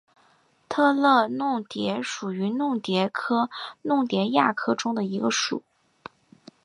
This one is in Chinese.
特乐弄蝶属是弄蝶科弄蝶亚科中的一个属。